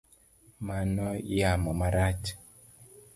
Mano yamo marach.